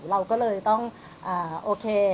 เราก็เลยต้องโอเค